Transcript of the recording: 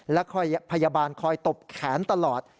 และพยาบาลคอยตบแขนตลอด